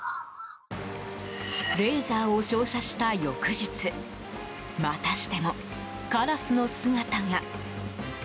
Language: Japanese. レーザーを照射した翌日またしてもカラスの姿が。